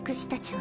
は